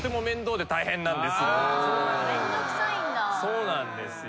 そうなんですよ。